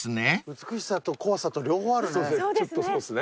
美しさと怖さと両方あるね。